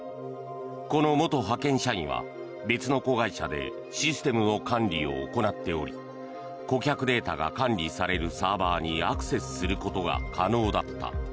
この元派遣社員は、別の子会社でシステムの管理を行っており顧客データが管理されるサーバーにアクセスすることが可能だった。